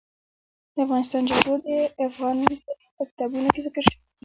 د افغانستان جلکو د افغان تاریخ په کتابونو کې ذکر شوی دي.